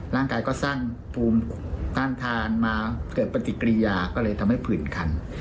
ร่างกายก็สร้างภูมิต้านทานมาเกิดปฏิกิริยาก็เลยทำให้ผื่นคัน